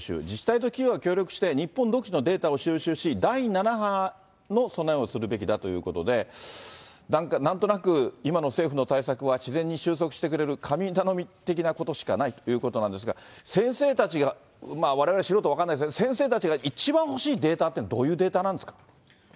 自治体と企業が協力して、日本独自のデータを収集し、第７波の備えをするべきだということで、なんとなく、今の政府の対策は自然に収束してくれる神頼み的なことしかないということなんですが、先生たちがわれわれ、素人は分からないですけど、先生たちが一番欲しいデータってどういうデータなんですか。